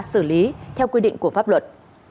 xử lý theo quy định của pháp luật